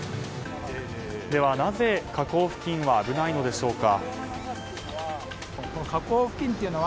では、なぜ河口付近は危ないのでしょうか。